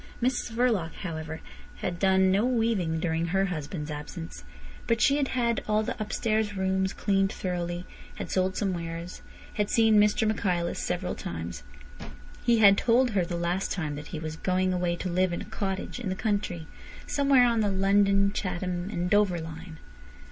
Mrs Verloc, however, had done no weaving during her husband's absence. But she had had all the upstairs room cleaned thoroughly, had sold some wares, had seen Mr Michaelis several times. He had told her the last time that he was going away to live in a cottage in the country, somewhere on the London, Chatham, and Dover line.